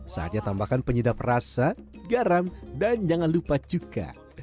saja tambahkan penyedap rasa garam dan jangan lupa cuka